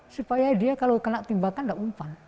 supaya dia kalau kena tembakan tidak umpan